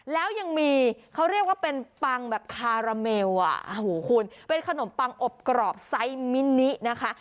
แล้วยังมีเขาเรียกว่าเป็นปังแบบคาราเมลอ่ะโอ้โหคุณเป็นขนมปังอบกรอบไซส์มินินะคะ